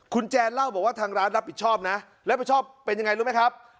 คุณแจนเล่าบอกว่าทางร้านรับผิดชอบนะรับผิดชอบเป็นยังไงรู้ไหมครับ